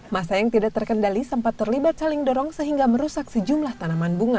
masa yang tidak terkendali sempat terlibat saling dorong sehingga merusak sejumlah tanaman bunga